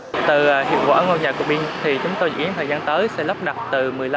một mô hình ngôi nhà của pin có thể phục vụ khoảng sáu mươi hộ dân hiện đây là mô hình duy nhất tại đà